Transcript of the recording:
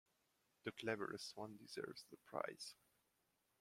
The cleverest one deserves the prize.